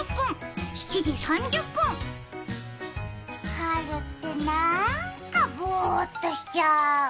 春って、なーんかぼーっとしちゃう。